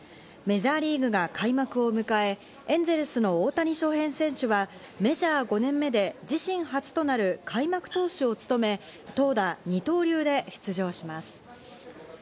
メジャーリーグが開幕を迎え、エンゼルスの大谷翔平選手はメジャー５年目で自身初となる開幕投手を務め、投打・二刀流で出場します。